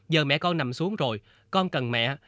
giờ mẹ con nằm xuống rồi con cần mẹ